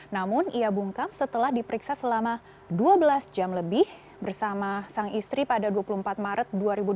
namun ia bungkam setelah diperiksa selama dua belas jam lebih bersama sang istri pada dua puluh empat maret dua ribu dua puluh